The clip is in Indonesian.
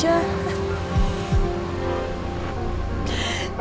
ya di sini